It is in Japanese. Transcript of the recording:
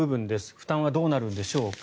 負担はどうなるんでしょうか。